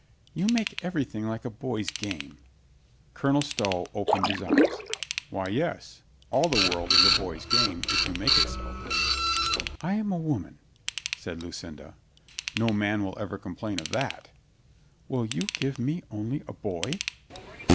"You make everything like a boy's game." Colonel Stow opened his eyes. "Why, yes. All the world is a boy's game, if you make it so." "I am a woman," said Lucinda. "No man will ever complain of that." "Will you give me only a boy?"